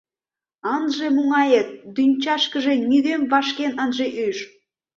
Ынже муҥае, дӱнчашкыже нигӧм вашкен ынже ӱж.